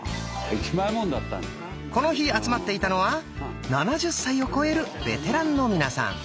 この日集まっていたのは７０歳をこえるベテランの皆さん。